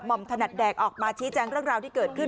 มถนัดแดกออกมาชี้แจงเรื่องราวที่เกิดขึ้น